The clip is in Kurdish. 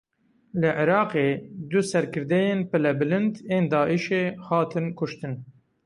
Li Iraqê du serkirdeyên pilebilind ên Daişê hatin kuştin.